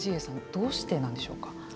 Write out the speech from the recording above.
どうしてなんでしょうか。